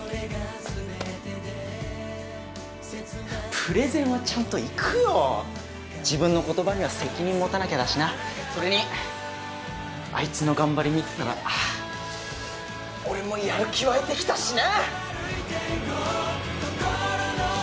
プレゼンはちゃんと行くよ自分の言葉には責任持たなきゃだしなそれにあいつの頑張り見てたら俺もやる気湧いてきたしな！